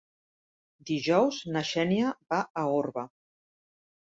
Dijous na Xènia va a Orba.